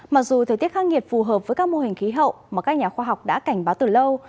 mặc dù thời tiết khắc nghiệt phù hợp với các mô hình khí hậu mà các nhà khoa học đã cảnh báo từ lâu